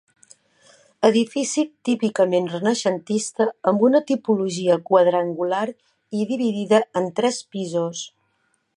Edifici típicament renaixentista amb una tipologia quadrangular i dividida en tres pisos.